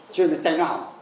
cho nên là tranh nó hỏng